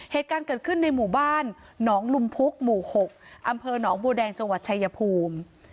เหตุการณ์เกิดขึ้นในหมู่บ้านหนองลุมพุกหมู่๖อำเภอหนองบัวแดงจังหวัดชายภูมิ